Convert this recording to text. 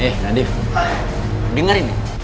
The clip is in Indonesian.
eh nadif dengarin nih